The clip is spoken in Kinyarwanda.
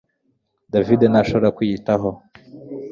David ntashobora kwiyitaho